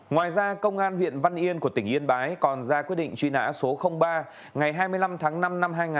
ngoài ra công an huyện văn yên của tỉnh yên bái còn ra quyết định truy nã số ba ngày hai mươi năm tháng năm năm hai nghìn một mươi ba